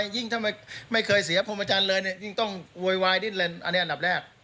ยิ่งไม่เคยเสียพมจรเลยต้องอันดับแรก